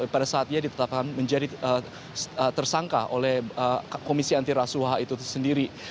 pada saat ia ditetapkan menjadi tersangka oleh komisi antirasuah itu sendiri